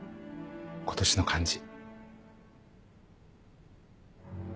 今年の漢字。